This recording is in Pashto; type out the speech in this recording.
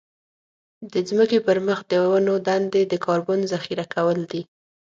د ځمکې پر مخ د ونو دندې د کاربن ذخيره کول دي.